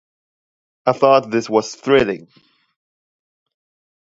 I thought that was thrilling.